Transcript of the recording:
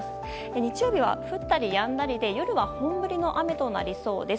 日曜日は降ったりやんだりで夜は本降りの雨となりそうです。